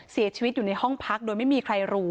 เสียชีวิตอยู่ในห้องพักโดยไม่มีใครรู้